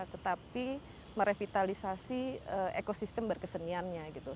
tetapi merevitalisasi ekosistem berkeseniannya gitu